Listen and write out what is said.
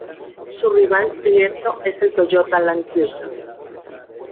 Su rival directo es el Toyota Land Cruiser.